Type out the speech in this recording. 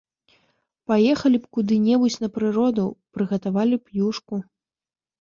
Паехалі б куды-небудзь на прыроду, прыгатавалі б юшку!